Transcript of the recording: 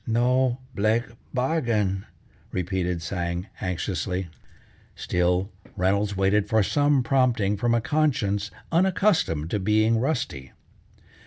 "No blake bargain!" repeated Tsang anxiously. Still Reynolds waited for some prompting from a conscience unaccustomed to being rusty.